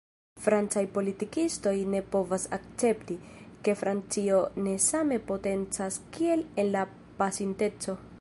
Francaj politikistoj ne povas akcepti, ke Francio ne same potencas kiel en la pasinteco.